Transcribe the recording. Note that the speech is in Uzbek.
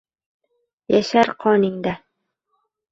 Yashar qoningda.